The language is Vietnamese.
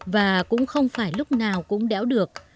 và cũng không phải lúc nào cũng đéo được